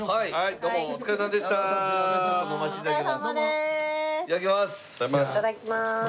いただきます。